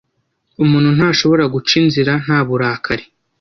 Umuntu ntashobora guca inzira nta burakari